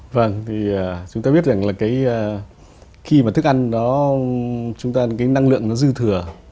vâng thì chúng ta biết rằng là khi mà thức ăn chúng ta ăn cái năng lượng nó dư thừa